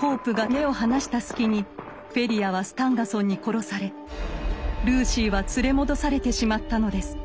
ホープが目を離した隙にフェリアはスタンガソンに殺されルーシーは連れ戻されてしまったのです。